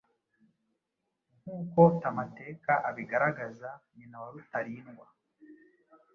Nkuko tamateka abigaragaza, nyina wa Rutalindwa